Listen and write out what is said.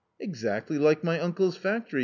44 Exactly like my uncle's factory !